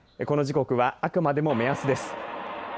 この時刻はあくまでも目安です。